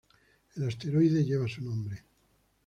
El Asteroide lleva su nombre.